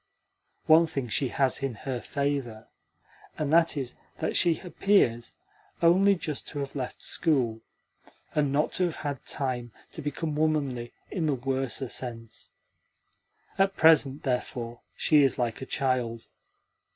One thing she has in her favour and that is that she appears only just to have left school, and not to have had time to become womanly in the worser sense. At present, therefore, she is like a child.